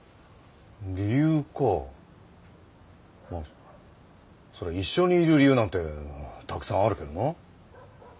理由かそりゃ一緒にいる理由なんてたくさんあるけどな。